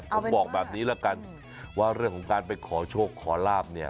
ผมบอกแบบนี้ละกันว่าเรื่องของการไปขอโชคขอลาบเนี่ย